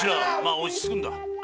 落ち着くんだ。